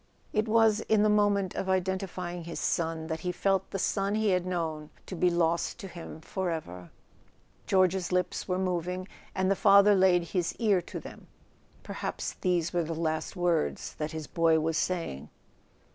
It was in the moment of identify¬ ing his son that he felt the son he had known to be lost to him forever. George's lips were moving, and the father laid his ear to them; perhaps these were last words that his boy was saying.